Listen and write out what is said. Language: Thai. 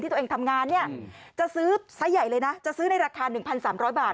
ที่ตัวเองทำงานเนี่ยซ้ายใหญ่เลยนะจะซื้อในราคา๑๓๐๐บาท